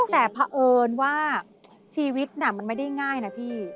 แต่เพราะเอิญว่าชีวิตน่ะมันไม่ได้ง่ายนะพี่